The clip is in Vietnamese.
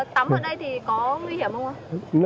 tắm ở đây thì có nguy hiểm không ạ